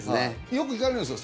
よく聞かれるんですよ